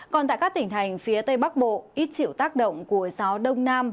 còn tại các tỉnh thành phía tây bắc bộ ít chịu tác động của gió đông nam